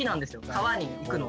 川に行くのが。